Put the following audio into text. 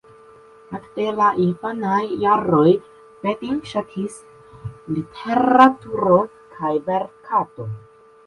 Ekde la infanaj jaroj Fedin ŝatis literaturon kaj verkadon.